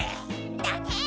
だね！